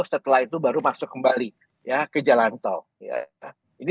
setelah itu baru masuk kembali ke jalan tol